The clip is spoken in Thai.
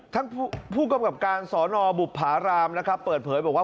ท่านผู้กำกับการสอนอบุภารามนะครับเปิดเผยบอกว่า